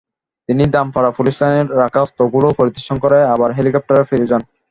তিনি দামপাড়া পুলিশ লাইনে রাখা অস্ত্রগুলো পরিদর্শন করে আবার হেলিকপ্টারে ফিরে যান।